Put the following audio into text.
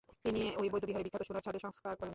তিনি ঐ বৌদ্ধবিহারের বিখ্যাত সোনার ছাদের সংস্কার করেন।